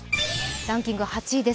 ランキング８位です。